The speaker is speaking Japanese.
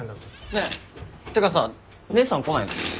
ねぇてかさ姉さん来ないの？